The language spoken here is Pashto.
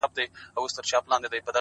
اوس هره شپه سپينه سپوږمۍ ـ